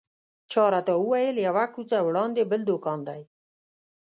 چا راته وویل یوه کوڅه وړاندې بل دوکان دی.